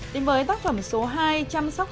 đến với tác phẩm số hai chăm sóc